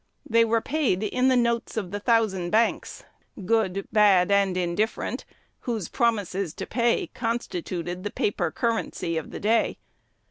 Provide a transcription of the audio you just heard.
They were paid in the notes of the thousand banks, good, bad, and indifferent, whose promises to pay constituted the paper currency of the day.